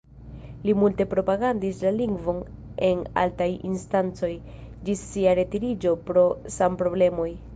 Li multe propagandis la lingvon en altaj instancoj, ĝis sia retiriĝo pro sanproblemoj.